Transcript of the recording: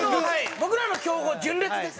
僕らの競合純烈です。